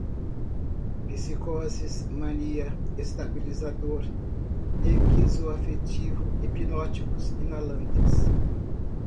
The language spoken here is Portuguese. psicoses, mania, estabilizador, esquizoafetivo, hipnóticos, inalantes